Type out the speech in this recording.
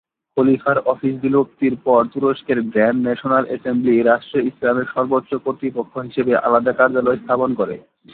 খলিফার অফিস বিলুপ্তির পর তুরস্কের গ্র্যান্ড ন্যাশনাল এসেম্বলি রাষ্ট্রে ইসলামের সর্বোচ্চ কর্তৃপক্ষ হিসেবে আলাদা কার্যালয় স্থাপন করে।